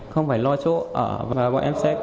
không phải lo chỗ ở và bọn em sẽ cố gắng